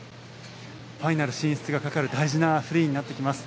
ファイナル進出がかかる大事なフリーになってきます。